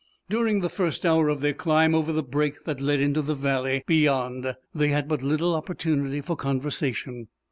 During the first hour of their climb over the break that led into the valley beyond they had but little opportunity for conversation.